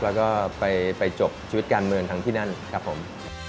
แล้วก็ไปจบชีวิตการเมืองทั้งที่นั่นครับผม